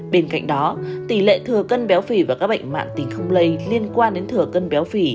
bên cạnh đó tỷ lệ thừa cân béo phỉ và các bệnh mạng tình không lây liên quan đến thừa cân béo phỉ